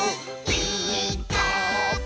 「ピーカーブ！」